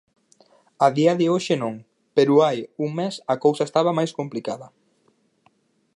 A día de hoxe non, pero hai un mes a cousa estaba máis complicada.